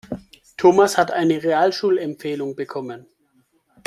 Thomas hat eine Realschulempfehlung bekommen.